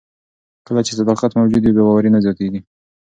کله چې صداقت موجود وي، بې باوري نه زیاتیږي.